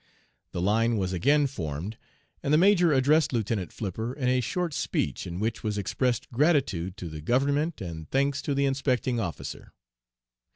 "The line was again formed, and the major addressed Lieutenant Flipper in a short speech, in which was expressed gratitude to the government and thanks to the inspecting officer.